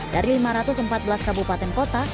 dari lima ratus empat belas kabupaten kota